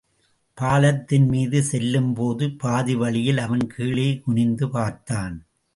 பாலத்தின் மீது செல்லும்போது பாதிவழியில் அவன் கீழே குனிந்து பார்த்தான்.